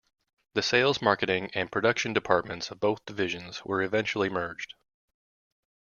The sales, marketing, and production departments of both divisions were eventually merged.